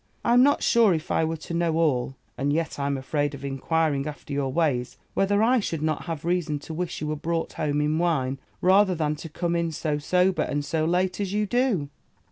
I'm not sure, if I were to know all, (and yet I'm afraid of inquiring after your ways) whether I should not have reason to wish you were brought home in wine, rather than to come in so sober, and so late, as you do.'